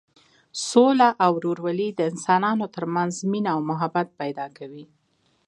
سوله او ورورولي د انسانانو تر منځ مینه او محبت پیدا کوي.